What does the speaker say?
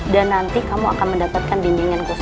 dan nanti kamu akan mendapatkan dindingan gosok